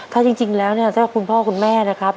ถ้าจริงแล้วคุณพ่อคุณแม่นะครับ